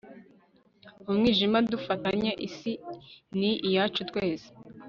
mu mwijima dufatanye isi ni iyacu twese